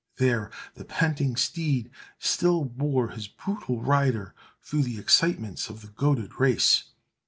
There the panting steed still bore his brutal rider through the excitements of the goaded race!